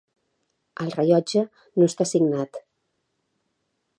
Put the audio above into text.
El rellotge no està signat.